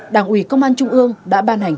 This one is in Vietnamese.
đảng ủy công an trung ương đã ban hành